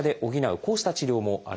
こうした治療もあるんです。